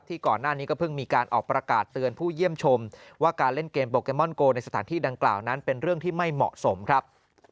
ก่อนหน้านี้ก็เพิ่งมีการออกประกาศเตือนผู้เยี่ยมชมว่าการเล่นเกมโปเกมอนโกในสถานที่ดังกล่าวนั้นเป็นเรื่องที่ไม่เหมาะสมครับ